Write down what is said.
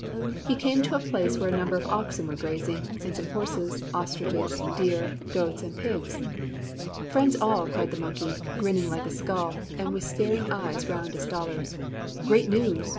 He came to a place where a number of oxen were grazing, and some horses, ostriches, deer, goats, and pigs. 'Friends all,' cried the monkey, grinning like a skull, and with staring eyes round as dollars, 'great news!